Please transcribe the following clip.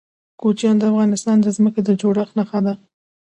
کوچیان د افغانستان د ځمکې د جوړښت نښه ده.